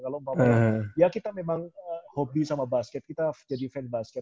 kalau ya kita memang hobi sama basket kita jadi fan basket